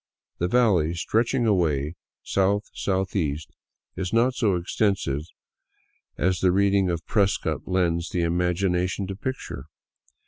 The valley, stretching away south southeast, is not so extensive as the reading of Prescott leads the imagination to picture.